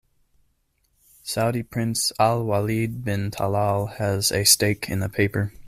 Saudi Prince Al-Waleed bin Talal has a stake in the paper.